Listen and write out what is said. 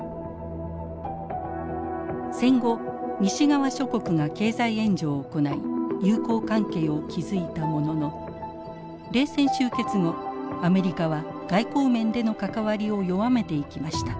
戦後西側諸国が経済援助を行い友好関係を築いたものの冷戦終結後アメリカは外交面での関わりを弱めていきました。